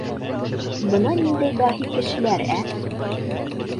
Бына ниндәй даһи кешеләр, ә?